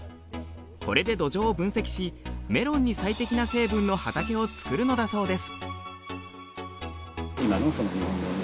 これで土壌を分析しメロンに最適な成分の畑を作るのだそうです。